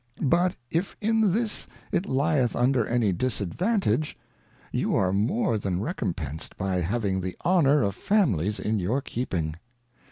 But if in this it lieth under any Disadvantage, you are more than recompensed, by having the Honour of Families in your keeping.